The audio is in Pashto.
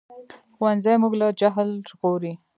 ښوونځی موږ له جهل ژغوري